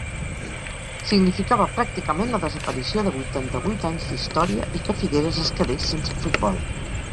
Significava pràcticament la desaparició de vuitanta-vuit anys d'història i que Figueres es quedés sense futbol.